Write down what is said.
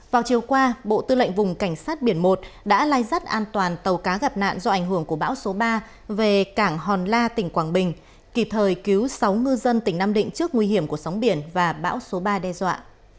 vào chiều qua bộ tư lệnh vùng cảnh sát biển một đã lai rắt an toàn tàu cá gặp nạn do ảnh hưởng của bão số ba về cảng hòn la tỉnh quảng bình kịp thời cứu sáu ngư dân tỉnh nam định trước nguy hiểm của sóng biển và bão số ba đe dọa